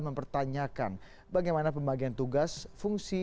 mempertanyakan bagaimana pembagian tugas fungsi